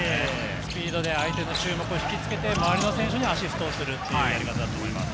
スピードで相手の注目を引きつけて周りの選手にアシストするというやり方だと思います。